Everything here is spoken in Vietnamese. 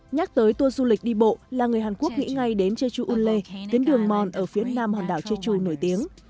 nhắc tới tour du lịch đi bộ là người hàn quốc nghĩ ngay đến jeju ulleh tiến đường mon ở phía nam hòn đảo jeju nổi tiếng